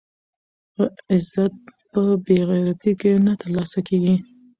عزت په بې غیرتۍ کې نه ترلاسه کېږي.